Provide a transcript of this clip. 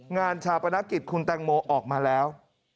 งานชาปนกิจคุณแตงโมออกมาแล้ว